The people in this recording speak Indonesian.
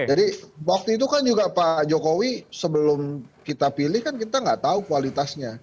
jadi waktu itu kan juga pak jokowi sebelum kita pilih kan kita gak tahu kualitasnya